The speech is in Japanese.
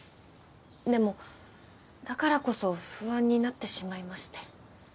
でもだからこそ不安になってしまいまして。